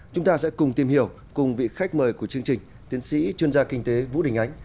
chúng ta sẽ cùng tìm hiểu cùng vị khách mời của chương trình tiến sĩ chuyên gia kinh tế vũ đình ánh